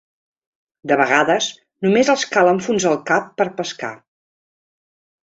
De vegades, només els cal enfonsar el cap per pescar.